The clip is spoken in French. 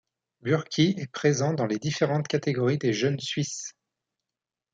Bürki est présent dans les différentes catégories des jeunes suisses.